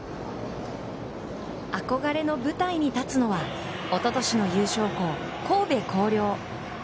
憧れの舞台に立つのはおととしの優勝校、神戸弘陵。